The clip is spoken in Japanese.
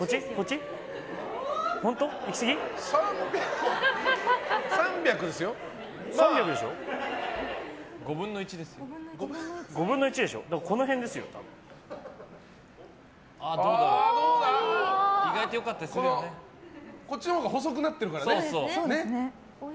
こっちのほうが細くなってるから。